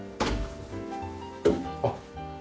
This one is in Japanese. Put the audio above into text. あっ。